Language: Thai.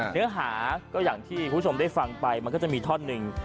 เนื้อหาก็อย่างที่ผู้ชมได้ฟังไปจะมีท่อนึง